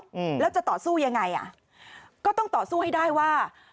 อืมแล้วจะต่อสู้ยังไงอ่ะก็ต้องต่อสู้ให้ได้ว่า